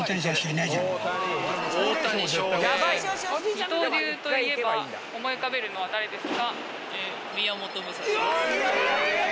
二刀流といえば思い浮かべるのは誰ですか？